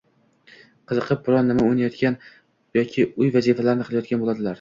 qiziqib biron nima o‘ynayotgan yoki uy vazifalarini qilayotgan bo‘ladilar.